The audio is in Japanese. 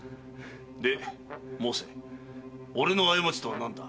で申せ俺の過ちとは何だ？